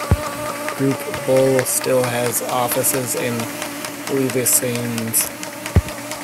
Groupe Bull still has offices in Louveciennes.